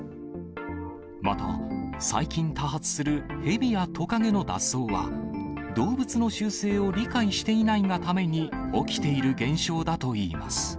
また、最近多発する蛇やトカゲの脱走は、動物の習性を理解していないがために起きている現象だといいます。